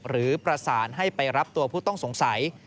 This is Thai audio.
หรือประสานให้ไปรับตัวผู้ต้องสงสัย